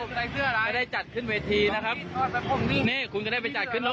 ผมจะได้เพื่ออะไรจะได้จัดขึ้นเวทีนะครับนี่คุณก็ได้ไปจัดขึ้น